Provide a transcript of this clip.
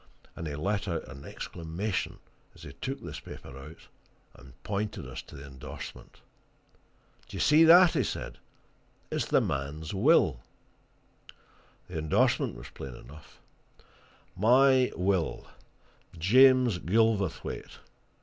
And he let out an exclamation as he took this paper out and pointed us to the endorsement. "Do you see that?" said he. "It's the man's will!" The endorsement was plain enough My will: James Gilverthwaite.